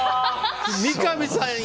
三上さん